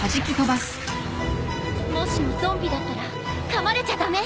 もしもゾンビだったらかまれちゃ駄目！